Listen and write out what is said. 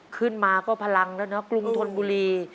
ขึ้นมาก็พลังแล้วเนอะกรุงธนบุรี